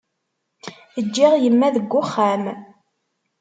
Ǧǧiɣ yemma deg uxxam.